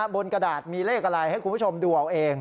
กระดาษมีเลขอะไรให้คุณผู้ชมดูเอาเอง